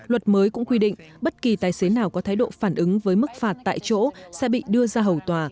luật mới cũng quy định bất kỳ tài xế nào có thái độ phản ứng với mức phạt tại chỗ sẽ bị đưa ra hầu tòa